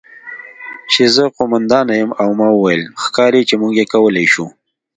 چې زه قوماندانه یم او ما وویل: 'ښکاري چې موږ یې کولی شو'.